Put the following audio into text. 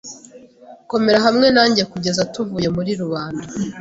Komera hamwe nanjye kugeza tuvuye muri rubanda.